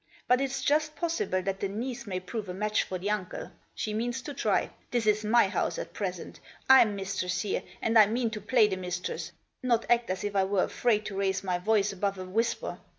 But it's just possible that the niece may prove a match for the uncle ; she means to try. This is my house, at present. Pm mistress here, and I mean to play the mistress ; not act as if I were afraid to raise my voice above a whis per.